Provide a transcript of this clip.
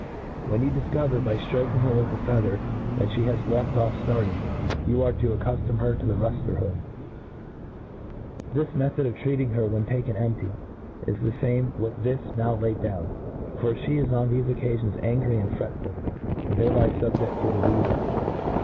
When you difco yer, by ^ftrpking her with a feather, that (he has left oflF ftarting, yqu ai:^ to accuftom her to the ruftqr; hop4. ^ The method of treating her when taken emp# ty is the fame with this now laid down ; for flic is on thefe occafions angry and fretful, and f hereby fubjefl: to difeafes.